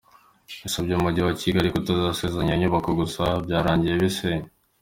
Yasabye Umujyi wa Kigali kutazasenya iyo nyubako gusa byarangiye bisenywe.